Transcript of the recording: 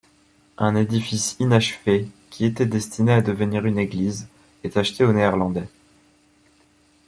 Un édifice inachevé, qui était destiné à devenir une église, est acheté aux Néerlandais.